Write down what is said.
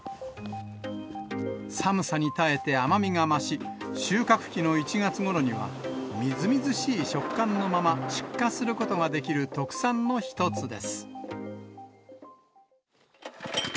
寒さに耐えて甘みが増し、収穫期の１月ごろには、みずみずしい食感のまま出荷することができる特産の一つです。